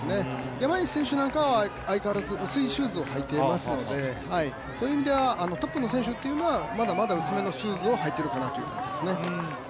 山西選手なんかは相変わらず薄いシューズを履いていますのでそういう意味では、トップの選手というのはまだまだ薄めのシューズを履いているかなという感じですね。